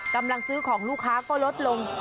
กำลังซื้อของลูกค้าก็ลดลง